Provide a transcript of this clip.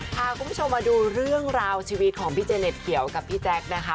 พาคุณผู้ชมมาดูเรื่องราวชีวิตของพี่เจเน็ตเขียวกับพี่แจ๊คนะคะ